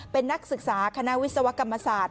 เป็นนักศึกษาคณะวิศวกรรมศาสตร์